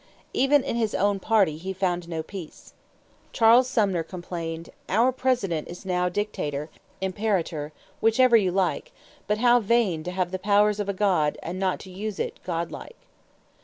Even in his own party he found no peace. Charles Sumner complained: "Our President is now dictator, imperator whichever you like; but how vain to have the power of a god and not to use it godlike."